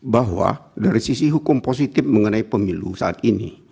bahwa dari sisi hukum positif mengenai pemilu saat ini